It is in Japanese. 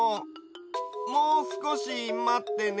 もうすこしまってね。